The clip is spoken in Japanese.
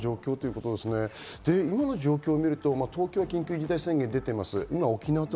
今の状況を見ると、東京には緊急事態宣言が出ています。